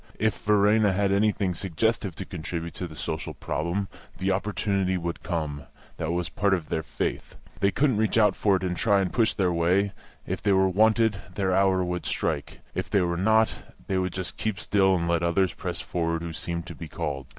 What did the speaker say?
If Verena had anything suggestive to contribute to the social problem, the opportunity would come that was part of their faith. They couldn't reach out for it and try and push their way; if they were wanted, their hour would strike; if they were not, they would just keep still and let others press forward who seemed to be called.